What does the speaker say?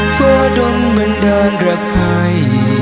เฟ้อดนมันด้านรักให้